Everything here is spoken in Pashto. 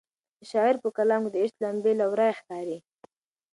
د شاعر په کلام کې د عشق لمبې له ورایه ښکاري.